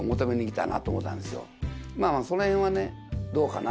まぁその辺はねどうかな？